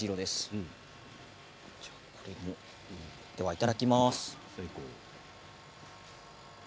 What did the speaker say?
いただきます。